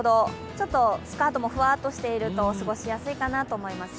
ちょっとスカートもふわっとしていると、過ごしやすいかなと思いますよ。